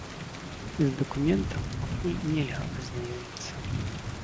З дакументам пакуль нельга азнаёміцца.